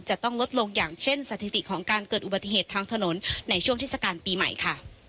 จะต้องลดลงอย่างเช่นสถิติของการเกิดอุบัติเหตุทางถนนในช่วงเทศกาลปีใหม่ค่ะ